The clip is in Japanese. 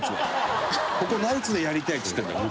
「ここナイツでやりたい」っつってんだから。